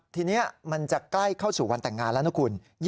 ทีนี้มันจะใกล้เข้าสู่วันแต่งงานแล้วนะคุณ